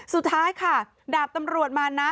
สุดท้ายค่ะดาบตำรวจมานะ